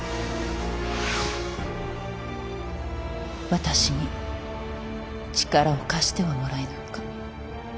私に力を貸してはもらえぬか？